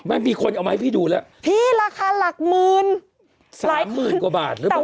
ไม่มีคนเอามาให้พี่ดูแล้วพี่ราคาหลักหมื่นสามหมื่นกว่าบาทหรือเปล่า